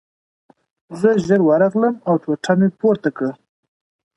زه ژر ورغلم او ټوټه مې پورته کړه